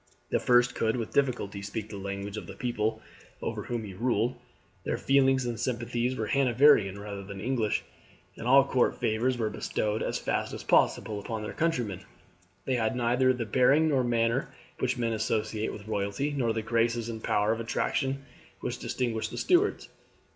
The first could with difficulty speak the language of the people over whom he ruled. Their feelings and sympathies were Hanoverian rather than English, and all court favours were bestowed as fast as possible upon their countrymen. They had neither the bearing nor manner which men associate with royalty, nor the graces and power of attraction which distinguished the Stuarts.